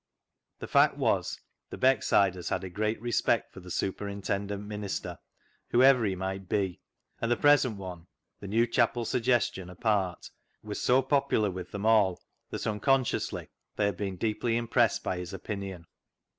The fact was the Beck sidcrs had a great respect for the superintendent ♦'THE ZEAL OF THINE HOUSE" 295 minister, whoever he might be, and the present one — the new chapel suggestion apart — was so popular with them all that unconsciously they had been deeply impressed by his opinion.